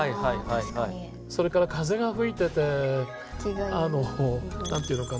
それから風が吹いてて何て言うのかな。